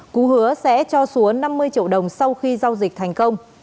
cú hứa sẽ cho xúa năm mươi triệu đồng sau khi giao dịch thành công